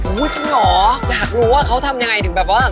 โหจรึยังหรออยากรู้ว่าเขาทำยังไงจริงแบบว่า